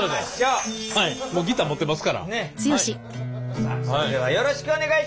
さあそれではよろしくお願いします！